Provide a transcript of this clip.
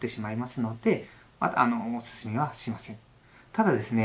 ただですね